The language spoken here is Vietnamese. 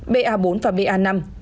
ba bốn và ba năm